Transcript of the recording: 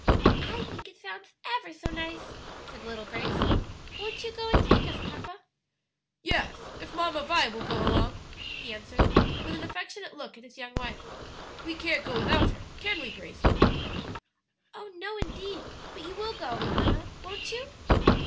"I think it sounds ever so nice," said little Grace. "Won't you go and take us, papa?" "Yes, if Mamma Vi will go along," he answered, with an affectionate look at his young wife; "we can't go without her, can we, Gracie?" "Oh, no, indeed! but you will go, mamma, won't you?"